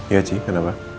iya sih kenapa